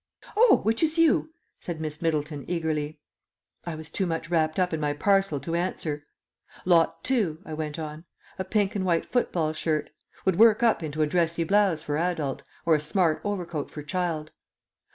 "Oh, which is you?" said Miss Middleton eagerly. I was too much wrapped up in my parcel to answer. "Lot Two," I went on. "A pink and white football shirt; would work up into a dressy blouse for adult, or a smart overcoat for child.